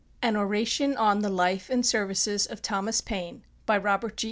org Title: An Oration On The Life And Services Of Thomas Paine Author: Robert G.